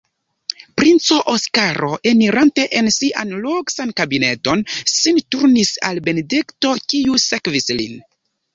Princo Oskaro, enirante en sian luksan kabineton, sin turnis al Benedikto, kiu sekvis lin.